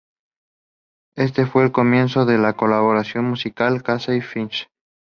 Este fue el comienzo de la colaboración musical Casey-Finch.